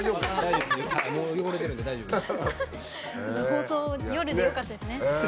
放送が夜でよかったですね。